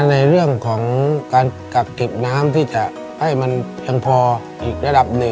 ในแคมเปญพิเศษเกมต่อชีวิตโรงเรียนของหนู